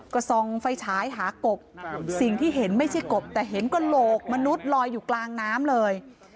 ก็ส่องไฟฉายหากบสิ่งที่เห็นไม่ใช่กบแต่เห็นกระโหลกมนุษย์ลอยอยู่กลางน้ำเลย